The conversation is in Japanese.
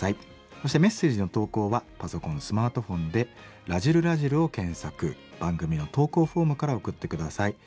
そしてメッセージの投稿はパソコンスマートフォンで「らじる★らじる」を検索番組の投稿フォームから送って下さい。